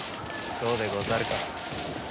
そうでござるか。